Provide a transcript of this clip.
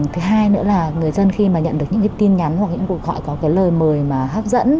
thứ hai nữa là người dân khi nhận được những tin nhắn hoặc những cuộc gọi có lời mời hấp dẫn